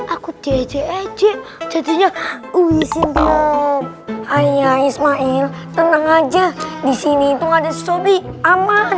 aku teje teje jadinya ui simpom ayah ismail tenang aja disini itu ada sobi aman